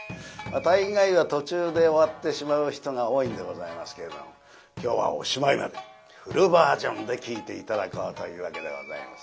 大概は途中で終わってしまう人が多いんでございますけれども今日はおしまいまでフルバージョンで聴いて頂こうというわけでございます。